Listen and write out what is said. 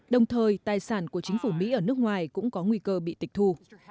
đồng thời tài sản của chính phủ mỹ ở nước ngoài cũng có nguy cơ bị tịch thu